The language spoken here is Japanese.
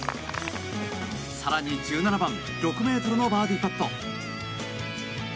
更に１７番６ｍのバーディーパット。